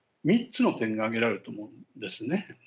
３つの点が挙げられると思うんですね。